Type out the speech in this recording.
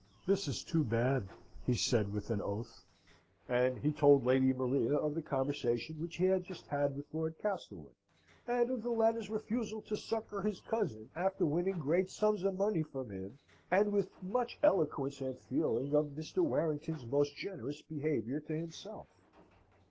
"This is too bad," he said, with an oath; and he told Lady Maria of the conversation which he had just had with Lord Castlewood, and of the latter's refusal to succour his cousin, after winning great sums of money from him, and with much eloquence and feeling, of Mr. Warrington's most generous behaviour to himself.